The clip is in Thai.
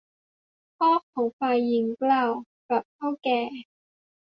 พ่อขอฝ่ายหญิงกล่าวกับเถ้าแก่